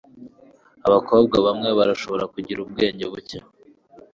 abakobwa bamwe barashobora kugira ubwoba buke